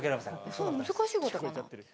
そんな難しいことかな？